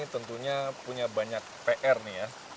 tentunya punya banyak pr nih ya